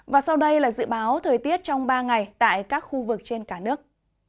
và sau đây là dự báo thời tiết trong ba ngày tại các khu vực trên cả nước